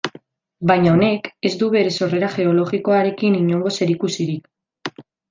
Baina honek ez du bere sorrera geologikoarekin inongo zerikusirik.